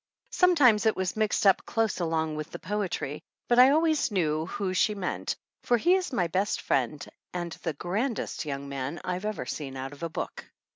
Sometimes it was mixed up close along with the poetry, but I always knew who she meant, for he is my best friend and the grandest young man I've ever seen out of a book.